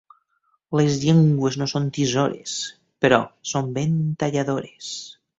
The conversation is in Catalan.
Les llengües no són tisores, però són ben talladores.